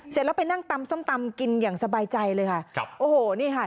เสร็จแล้วไปนั่งตำส้มตำกินอย่างสบายใจเลยค่ะ